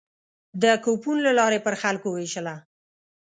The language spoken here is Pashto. د کوپون له لارې پر خلکو وېشله.